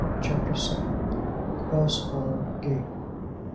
CHAPTER VII. "CROSS HALL GATE."